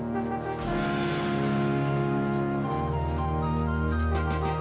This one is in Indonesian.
saya akan memintaopartikan rupal medicalary